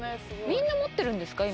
みんな持ってるんですか？